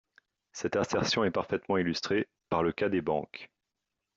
Cette assertion est parfaitement illustrée par le cas des banques.